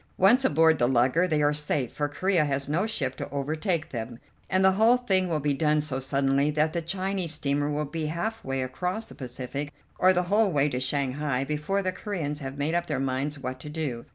'Once aboard the lugger' they are safe, for Corea has no ship to overtake them, and the whole thing will be done so suddenly that the Chinese steamer will be half way across the Pacific, or the whole way to Shanghai, before the Coreans have made up their minds what to do.